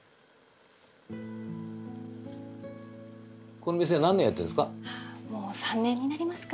この店何年やってるんですか？